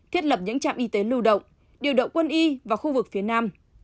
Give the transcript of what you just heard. thiết lập những trạm y tế lưu động điều động quân y vào khu vực phía nam